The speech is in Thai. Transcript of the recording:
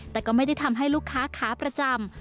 แต่ก็ไม่ได้ทำให้ลูกค้าขาประจำ